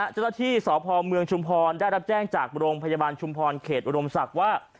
เจ้าหน้าที่สพเมืองชุมพรได้รับแจ้งจากโรงพยาบาลชุมพรเขตอุดมศักดิ์ว่า